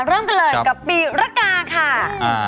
เริ่มกันเลยกับปีระกาค่ะ